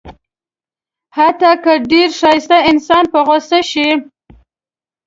حتی که ډېر ښایسته انسان په غوسه شي.